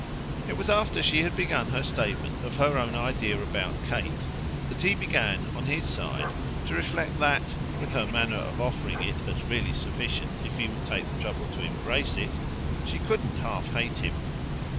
It was after she had begun her statement of her own idea about Kate that he began on his side to reflect that with her manner of offering it as really sufficient if he would take the trouble to embrace it she couldn't half hate him.